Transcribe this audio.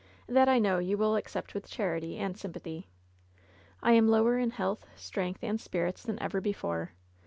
That I know you will accept with charity and sympathy. "I am lower in health, strength and spirits than ever before.